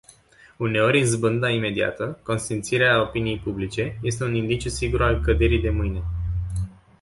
Uneori izbânda imediată, consimțirea opiniei publice, este un indiciu sigur al căderii de mâine.